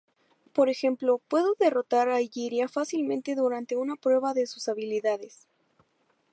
Por ejemplo, pudo derrotar a Illyria fácilmente durante una prueba de sus habilidades.